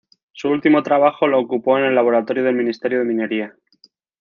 Su último trabajo lo ocupó en el laboratorio del Ministerio de Minería.